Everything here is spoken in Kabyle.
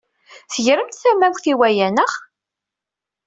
Tegremt tamawt i waya, naɣ?